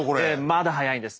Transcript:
まだ早いんです。